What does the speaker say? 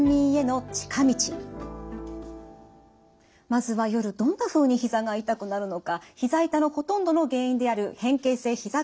まずは夜どんなふうにひざが痛くなるのかひざ痛のほとんどの原因である変形性ひざ